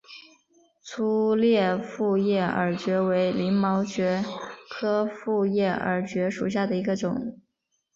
粗裂复叶耳蕨为鳞毛蕨科复叶耳蕨属下的一个种。